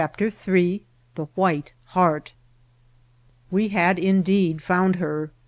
Ill The White Heart WE had indeed found her.